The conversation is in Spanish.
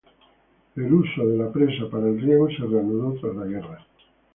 El uso de la presa para el riego se reanudó tras la guerra.